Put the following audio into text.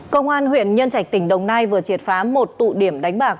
cơ quan huyện nhân trạch tỉnh đồng nai vừa triệt phá một tụ điểm đánh bạc